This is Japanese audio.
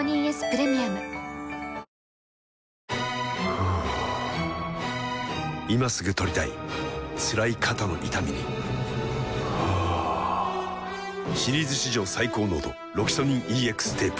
ふぅ今すぐ取りたいつらい肩の痛みにはぁシリーズ史上最高濃度「ロキソニンＥＸテープ」